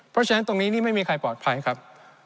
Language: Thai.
เพราะฉะนั้นตรงนี้นี่ไม่มีใครปลอดภัยครับ